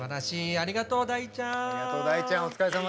ありがとう、大ちゃん！